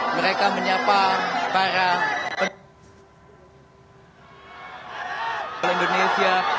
mereka menyapa para penduduk indonesia